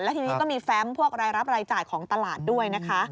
ทีนี้ก็มีแฟมพวกรายรับรายจ่ายของตลาดด้วยนะคะ